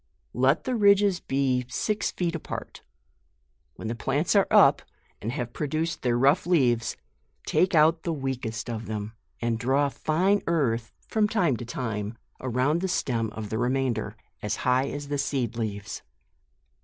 Let the ridges be six feet apart. When the plants are up and have produced their rough leaves, take out the weakest of them, and draw fine earth from time to time around the stem of the remainder, as high as the seed leaves.